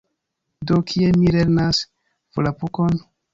Do, kie mi lernas Volapukon?